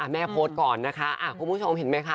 โพสต์ก่อนนะคะคุณผู้ชมเห็นไหมคะ